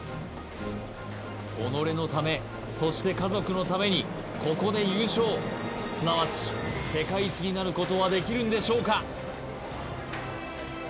己のためそして家族のためにここで優勝すなわち世界一になることはできるんでしょうか？